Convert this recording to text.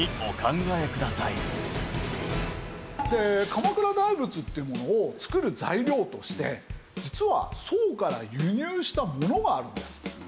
鎌倉大仏っていうものを造る材料として実は宋から輸入したものがあるんです。